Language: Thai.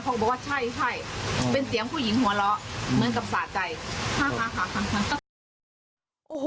เขาบอกว่าใช่เป็นเสียงผู้หญิงหัวเราะเหมือนกับสาดใจ